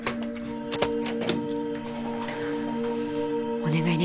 お願いね。